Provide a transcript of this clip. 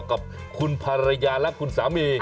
กับคุณภรรยาและคุณสามี